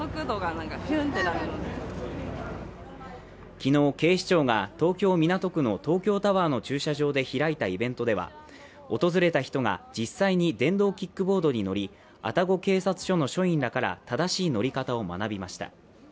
昨日、警視庁が東京・港区の東京タワーの駐車場で開いたイベントでは訪れた人が実際に電動キックボードに乗り愛宕警察署の署員らから正しい乗り方を学びました。